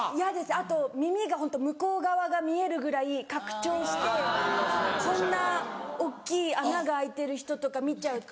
あと耳が向こう側が見えるぐらい拡張してこんな大っきい穴が開いてる人とか見ちゃうと。